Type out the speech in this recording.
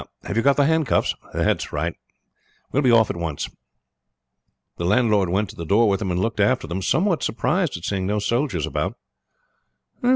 Now, have you got the handcuffs? That's right, we will be off at once." The landlord went to the door with them and looked after them, somewhat surprised at seeing no soldiers about.